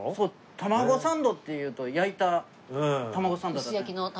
卵サンドっていうと焼いた卵サンドだった。